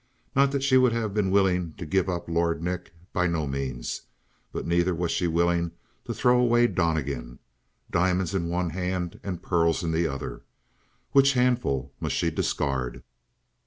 Not that she would have been willing to give up Lord Nick. By no means. But neither was she willing to throw away Donnegan. Diamonds in one hand and pearls in the other. Which handful must she discard?